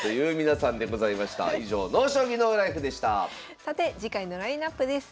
さて次回のラインナップです。